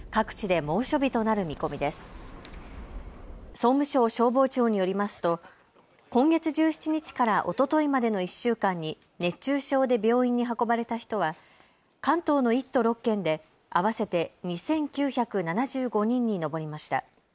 総務省消防庁によりますと今月１７日からおとといまでの１週間に熱中症で病院に運ばれた人は関東の１都６県で合わせて２９７５人に上りました。